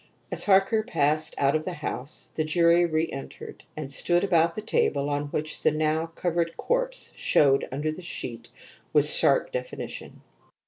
As Harker passed out of the house the jury reentered and stood about the table on which the now covered corpse showed under the sheet with sharp definition.